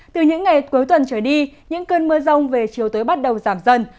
từ những ngày cuối tuần trở đi những cơn mưa rông về chiều tới bắt đầu giảm dần